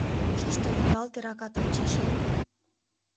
Шич да лӱҥгалте ракатын, чечен.